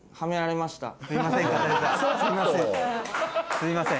すいません。